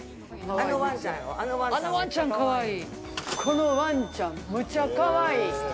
このワンちゃんむちゃカワイイ。